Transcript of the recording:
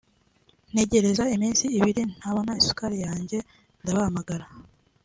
ntegereza iminsi ibiri ntabona isukari yanjye ndabahamagara